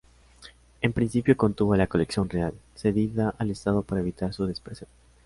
En principio contuvo la colección real, cedida al estado para evitar su dispersión.